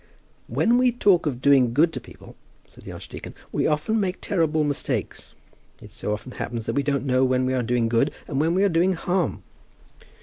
"When we talk of doing good to people," said the archdeacon, "we often make terrible mistakes. It so often happens that we don't know when we are doing good and when we are doing harm."